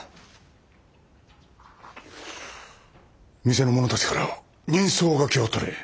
店の者たちから人相書きをとれ。